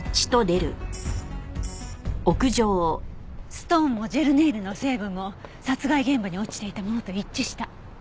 ストーンもジェルネイルの成分も殺害現場に落ちていたものと一致した。